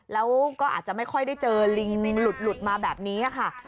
แล้วก็อาจจะไม่ค่อยได้เจอลิงหลุดมาแบบนี้ค่ะ